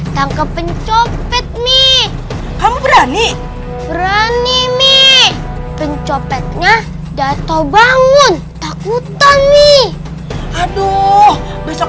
tangkap pencopet nih kamu berani berani mie pencopetnya datau bangun takut on nih aduh besok